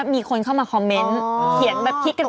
ไม่แล้วตัวเองข้างเนี่ยว่าใครขี่ยัก